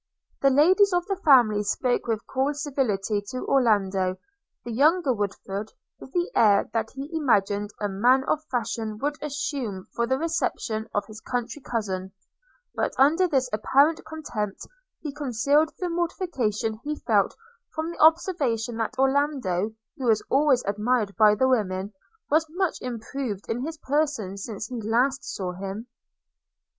The ladies of the family spoke with cool civility to Orlando – the younger Woodford with the air that he imagined a man of fashion would assume for the reception of his country cousin: but under this apparent contempt he concealed the mortification he felt from the observation that Orlando, who was always admired by the women, was much improved in his person since he last saw him.